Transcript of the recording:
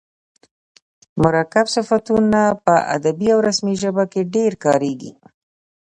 مرکب صفتونه په ادبي او رسمي ژبه کښي ډېر کاریږي.